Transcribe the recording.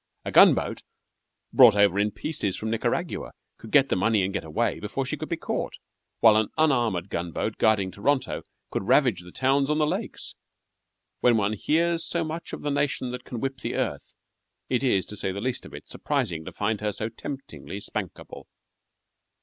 A gun boat brought over in pieces from Niagara could get the money and get away before she could be caught, while an unarmored gun boat guarding Toronto could ravage the towns on the lakes. When one hears so much of the nation that can whip the earth, it is, to say the least of it, surprising to find her so temptingly spankable.